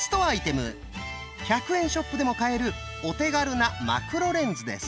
１００円ショップでも買えるお手軽なマクロレンズです。